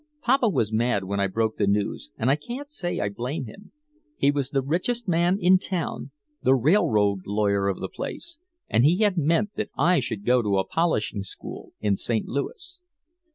Papa was mad when I broke the news and I can't say I blame him. He was the richest man in town, the railroad lawyer of the place and he had meant that I should go to a polishing school in St. Louis.